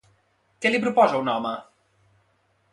Què li proposa un home?